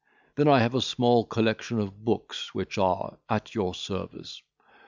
Then I have a small collection of books which are at your service.